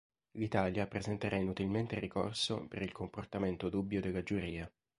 L'Italia presenterà inutilmente ricorso per il comportamento dubbio della giuria.